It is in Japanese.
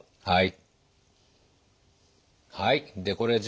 はい。